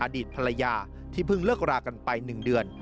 อดีตภรรยาที่เพิ่งเลิกรากันไป๑เดือน